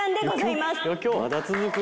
まだ続く？